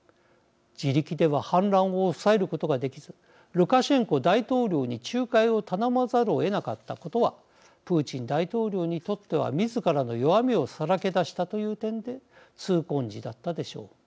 自力では反乱を抑えることができずルカシェンコ大統領に仲介を頼まざるをえなかったことはプーチン大統領にとってはみずからの弱みをさらけ出したという点で痛恨事だったでしょう。